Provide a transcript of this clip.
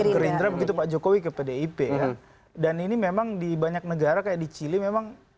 ke gerindra begitu pak jokowi ke pdip ya dan ini memang di banyak negara kayak di chile memang